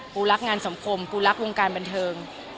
กูรักงานสังคมกูรักวงการบันเทิง